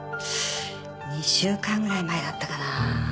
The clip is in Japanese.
２週間ぐらい前だったかな？